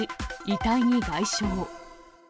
遺体に外傷。